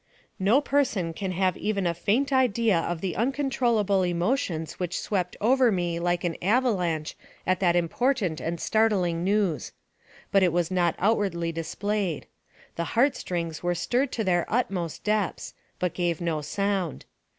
No person can have even a faint idea of the uncon trollable emotions which swept over me like an ava lanche at that important and startling news. But it was not outwardly displayed. The heart strings were stirred to their utmost depths, but gave no sound.